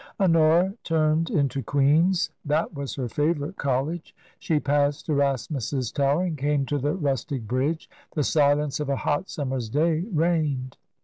Honora turned into Queen's. That was her favourite college. She passed Erasmus's tower and came to the rustic bridge. The silence of a hot summer's day reigned.